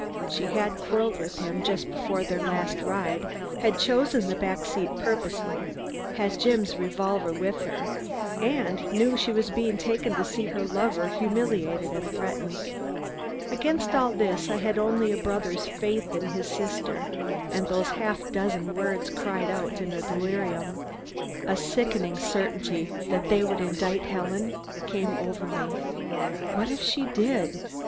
She had quarreled with him just before their last ride, had chosen the back seat purposely, had Jim's revolver with her, and knew she was being taken to see her lover humiliated and threatened. Against all this, I had only a brother's faith in his sister and those half dozen words cried out in a delirium. A sickening certainty that they would indict Helen came over me. What if she did